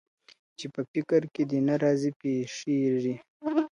چي په فکر کي دي نه راځي پېښېږي.